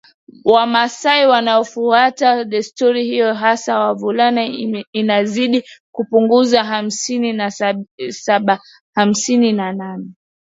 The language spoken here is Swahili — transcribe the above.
Wamasai wanaofuata desturi hiyo hasa wavulana inazidi kupungua hamsini na sabahamsini na nane